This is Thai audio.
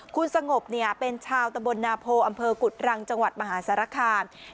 คุณสงบเป็นชาวตะบนนาโพอำเภอกุฎรังจังหวัดมหาสารคาม